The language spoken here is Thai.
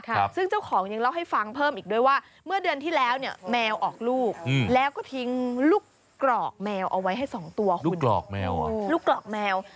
ค่ะซึ่งเจ้าของยังเล่าให้ฟังเพิ่มอีกด้วยว่าเมื่อเดือนที่แล้วนี่แมวออกลูกแล้วก็ถึงลูกกรอกแมวเอาไว้ให้สองตัว